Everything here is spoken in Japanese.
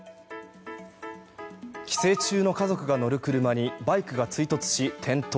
帰省中の家族が乗る車にバイクが追突し転倒。